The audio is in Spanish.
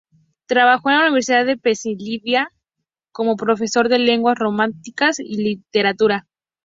Trabajó en la Universidad de Pensilvania como profesor de lenguas románicas y literatura.